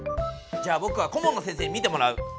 じゃあぼくは顧問の先生に見てもらう！